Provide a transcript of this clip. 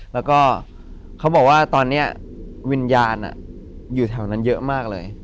แล้วก็เขาบอกว่าตอนนี้วิญญาณอยู่แถวนั้นเยอะมากเลย